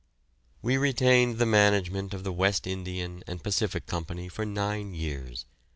We retained the management of the West Indian and Pacific Co. for nine years.